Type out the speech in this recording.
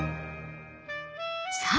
さあ